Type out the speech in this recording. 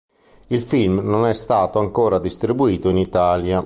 Il film non è stato ancora distribuito in Italia.